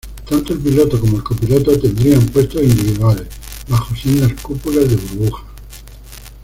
Tanto el piloto como el copiloto tendrían puestos individuales, bajo sendas cúpulas de burbuja.